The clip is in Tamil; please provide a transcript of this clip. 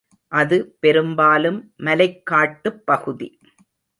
அது பெரும்பாலும் மலைக்காட்டுப் பகுதி.